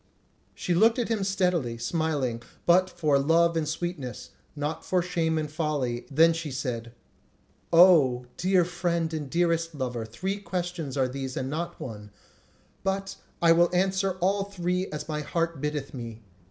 She looked on him steadily, smiling, but for love and sweetness, not for shame and folly; then she said: "O, dear friend and dearest lover, three questions are these and not one; but I will answer all three as my heart biddeth me.